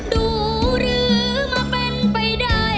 ดูหรือมาเป็นไปได้